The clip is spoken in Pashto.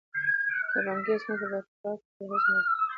د بانکي اسنادو په پړاوونو کې له خلکو سره مرسته کیږي.